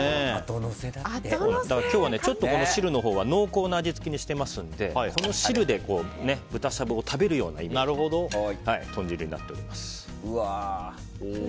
今日は汁のほうは濃厚な味付けにしていますのでこの汁で、豚しゃぶを食べるようなイメージの豚汁になっております。